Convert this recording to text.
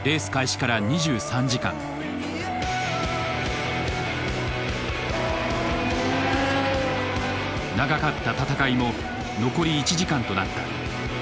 長かった戦いも残り１時間となった。